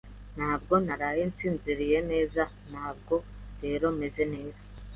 Ntabwo naraye nsinziriye neza, ntabwo rero meze neza.